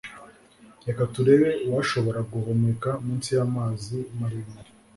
reka turebe uwashobora guhumeka munsi y'amazi maremare